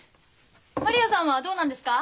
真理亜さんはどうなんですか？